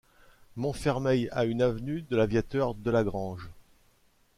Montfermeil a une avenue de l'Aviateur-Delagrange.